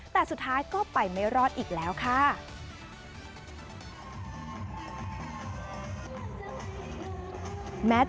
แต่สุดท้ายก็ไปไม่รอดอีกแล้วค่ะ